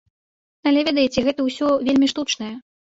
Але ведаеце, гэта ўсё вельмі штучнае.